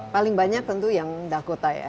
paling banyak tentu yang dakota ya